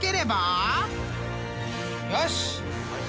よし！